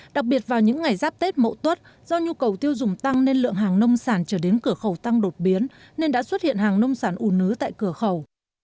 đặc biệt vào những ngày giáp tết mậu tuất do nhu cầu tiêu dùng tăng nên lượng hàng nông sản trở đến cửa khẩu tăng đột biến nên đã xuất hiện hàng nông sản ủ nứ tại cửa khẩu